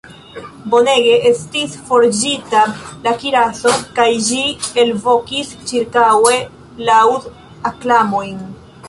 Bonege estis forĝita la kiraso kaj ĝi elvokis ĉirkaŭe laŭd-aklamojn.